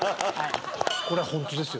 これホントですよ。